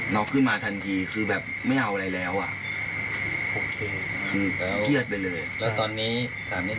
น็อคขึ้นมาทันทีคือแบบไม่เอาอะไรแล้วคือเครียดไปเลย